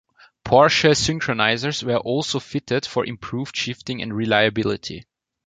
Porsche synchronizers were also fitted for improved shifting and reliability.